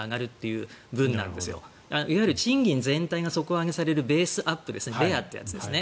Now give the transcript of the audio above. いわゆる賃金全体が底上げされるベースアップベアというやつですね。